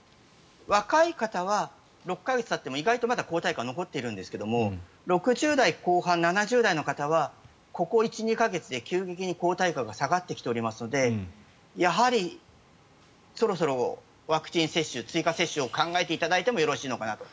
若い方は６か月たっても、意外と抗体価は残っているんですが６０代後半、７０代の方はここ１２か月で急激に抗体価が下がってきておりますのでやはり、そろそろワクチン接種追加接種を考えていただいてもよろしいのかなと。